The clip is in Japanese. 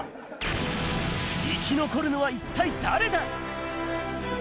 生き残るのは一体誰だ。